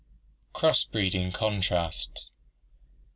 Cross breeding Contrasts.